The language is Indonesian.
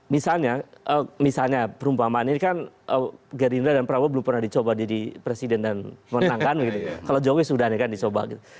misalnya misalnya perumpamaan ini kan gerindra dan prabowo belum pernah dicoba jadi presiden dan menangkan kalau jokowi sudah nih kan dicoba gitu